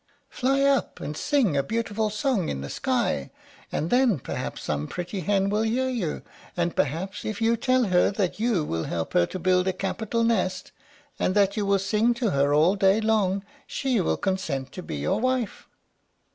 Fly up, and sing a beautiful song in the sky, and then perhaps some pretty hen will hear you; and perhaps, if you tell her that you will help her to build a capital nest, and that you will sing to her all day long, she will consent to be your wife."